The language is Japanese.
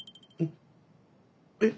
えっ？